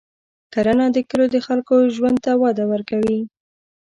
کرنه د کلیو د خلکو ژوند ته وده ورکوي.